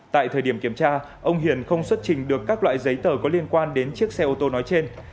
tại thời điểm kiểm tra ông hiền không xuất trình được các loại giấy tờ có liên quan đến chiếc xe ô tô nói trên